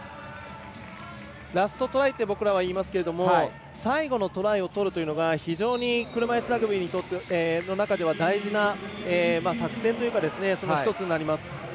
ラストトライと僕らはいいますが最後のトライを取るというのが非常に車いすラグビーの中では大事な作戦というかその１つになります。